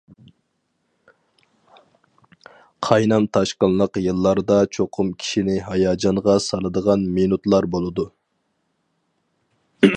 قاينام- تاشقىنلىق يىللاردا چوقۇم كىشىنى ھاياجانغا سالىدىغان مىنۇتلار بولىدۇ.